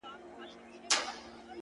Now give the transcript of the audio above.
o ستا پر ځنگانه اكثر؛